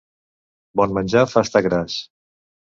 Bon menjar fa estar gras.